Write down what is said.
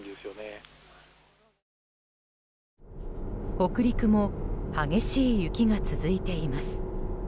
北陸も激しい雪が続いています。